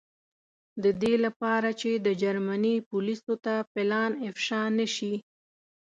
د دې له پاره چې د جرمني پولیسو ته پلان افشا نه شي.